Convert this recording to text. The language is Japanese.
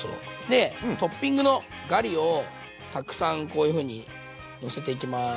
でトッピングのガリをたくさんこういうふうにのせていきます。